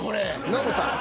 ノブさん。